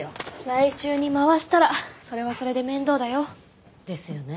来週に回したらそれはそれで面倒だよ。ですよね。